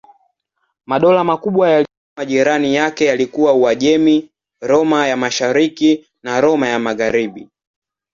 Madola makubwa yaliyokuwa majirani yake yalikuwa Uajemi, Roma ya Mashariki na Roma ya Magharibi.